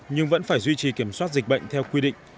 nhưng vẫn phải duy trì kiểm soát dịch bệnh theo quy định